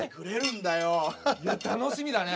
いや楽しみだね！